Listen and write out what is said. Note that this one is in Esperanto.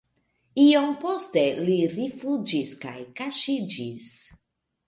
Iom poste li rifuĝis kaj kaŝiĝis.